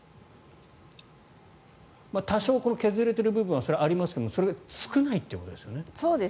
多少削れている部分はありますがそれが少ないということですね。